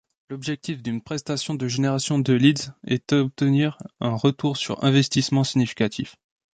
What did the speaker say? L’objectif d’une prestation de génération de leads est d’obtenir un retour sur investissement significatif.